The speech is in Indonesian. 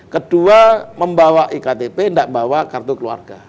kedua membawa iktp tidak membawa kartu keluarga